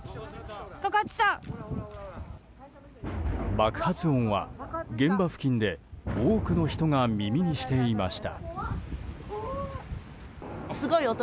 爆発音は、現場付近で多くの人が耳にしていました。